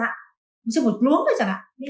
nhân bản cái vùng nguyên liệu của mình lên